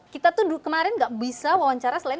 kita tuh kemarin gak bisa wawancara selain